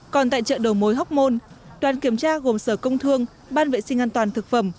còn tại chợ đầu mối hóc môn đoàn kiểm tra gồm sở công thương ban vệ sinh an toàn thực phẩm